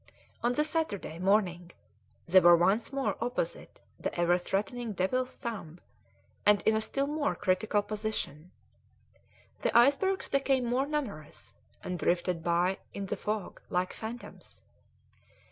On the Saturday morning they were once more opposite the ever threatening Devil's Thumb, and in a still more critical position. The icebergs became more numerous, and drifted by in the fog like phantoms.